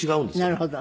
なるほど。